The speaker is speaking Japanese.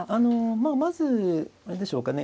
まあまずあれでしょうかね